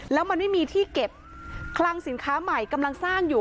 แล้วมันไม่มีที่เก็บคลังสินค้าใหม่กำลังสร้างอยู่